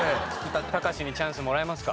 たかしにチャンスもらえますか？